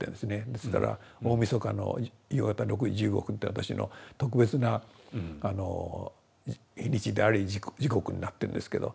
ですから大みそかの夕方６時１５分って私の特別な日にちであり時刻になってんですけど。